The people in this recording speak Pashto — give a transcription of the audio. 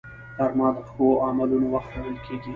غرمه د ښو عملونو وخت ګڼل کېږي